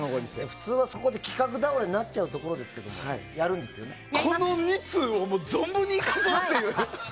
普通はそこで企画倒れになっちゃうところですけれどもこの２通を存分に生かそうっていう。